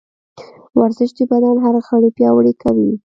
ورزش د بدن هر غړی پیاوړی کوي.